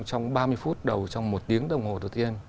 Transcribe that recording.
trong ba mươi phút đầu trong một tiếng đồng hồ tổ tiên